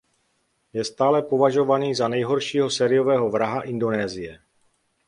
Je stále považovaný za nejhoršího sériového vraha Indonésie.